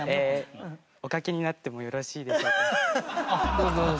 どうぞどうぞ。